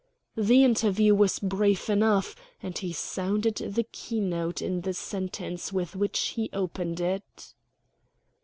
The interview was brief enough, and he sounded the keynote in the sentence with which he opened it.